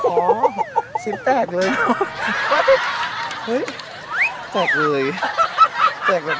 โอ้อ๋อชิ้นแตกเลยเอ้ยแตกเลย